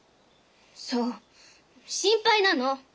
そう心配なの！